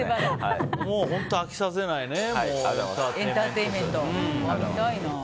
本当、飽きさせないエンターテインメント性。